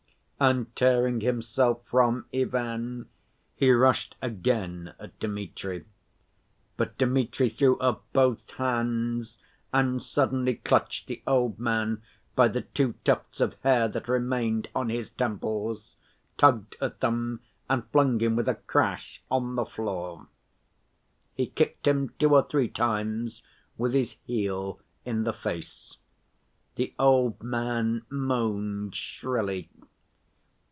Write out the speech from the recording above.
And tearing himself from Ivan he rushed again at Dmitri. But Dmitri threw up both hands and suddenly clutched the old man by the two tufts of hair that remained on his temples, tugged at them, and flung him with a crash on the floor. He kicked him two or three times with his heel in the face. The old man moaned shrilly.